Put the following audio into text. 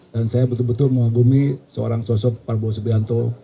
dan saya betul betul mengagumi seorang sosok pak bowo sebianto